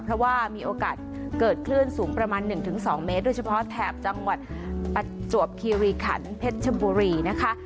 เพราะว่ามีโอกาสเกิดคลื่นสูงประมาณ๑๒เมตรโดยเฉพาะแถบจังหวัดประจวบคีรีขันเพชรชบุรีนะคะ